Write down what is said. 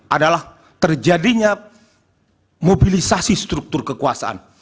adalah terjadinya mobilisasi struktur kekuasaan